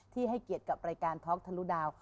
ให้เกียรติกับรายการท็อกทะลุดาว